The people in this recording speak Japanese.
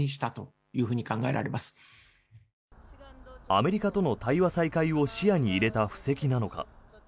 アメリカとの対話再開を視野に入れた布石なのか。